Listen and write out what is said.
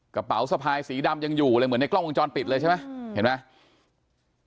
กระเป๋าสะพายสีดำยังอยู่เลยเหมือนในกล้องวงจรปิดเลยใช่ไหมเห็นไหม